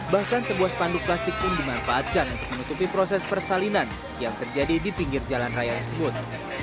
bahkan sebuah spanduk plastik pun dimanfaatkan untuk menutupi proses persalinan yang terjadi di pinggir jalan raya tersebut